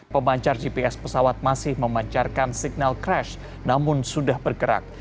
pemancar gps pesawat masih memancarkan signal crash namun sudah bergerak